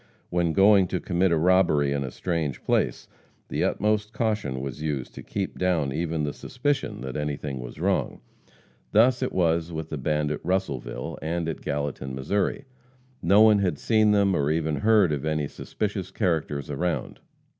When going to commit a robbery in a strange place, the utmost caution was used to keep down even the suspicion that anything was wrong. Thus it was with the band at Russellville, and at Gallatin, Mo. No one had seen them or even heard of any suspicious characters around.